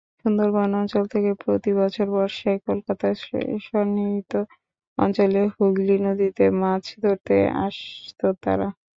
সুন্দরবন অঞ্চল থেকে প্রতি বছর বর্ষায় কলকাতা-সন্নিহিত অঞ্চলে হুগলি নদীতে মাছ ধরতে আসত তারা।